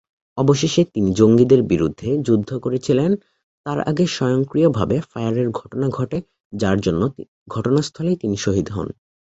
অবশেষে, তিনি জঙ্গিদের বিরুদ্ধে যুদ্ধ করেছিলেন তার আগে স্বয়ংক্রিয়ভাবে ফায়ারের ঘটনা ঘটে যার জন্য ঘটনাস্থলেই তিনি শহীদ হন।